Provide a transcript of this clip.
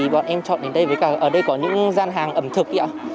bọn em chọn đến đây với cả ở đây có những gian hàng ẩm thực